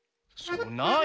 そなえ。